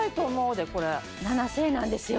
７０００円なんですよ。